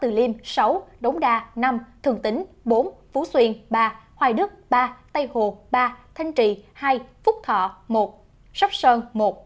từ liêm sáu đống đa năm thường tính bốn phú xuyên ba hoài đức ba tây hồ ba thanh trì hai phúc thọ một sóc sơn một